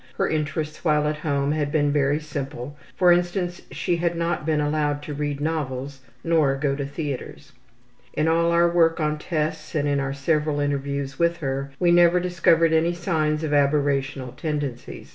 Her interests while at home had been very simple; for instance, she had not been allowed to read novels nor go to theatres. In all our work on tests and in our several interviews with her we never discovered any signs of aberrational tendencies.